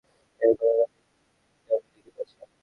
এ কথা তাদের কিতাবে লিখিত আছে।